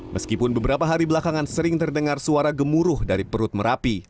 meskipun beberapa hari belakangan sering terdengar suara gemuruh dari perut merapi